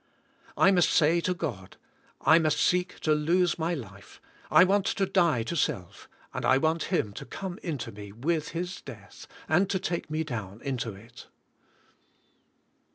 '* I must say to God, I must seek to lose my life, and I want to die to self, and I want Him to come into me with His death, and to take me down into it.